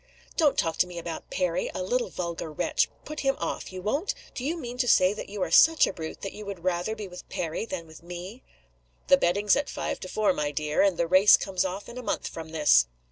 "Don't talk to me about Perry! A little vulgar wretch. Put him off. You won't? Do you mean to say you are such a brute that you would rather be with Perry than be with me?" "The betting's at five to four, my dear. And the race comes off in a month from this."